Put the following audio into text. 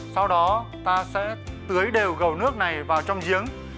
sau đó ta sẽ tưới đều gầu nước này vào trong giếng